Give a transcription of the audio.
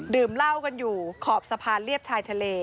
ดื่มเหล้ากันอยู่ขอบสะพานเรียบชายทะเล